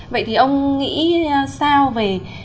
vậy thì ông nghĩ sao về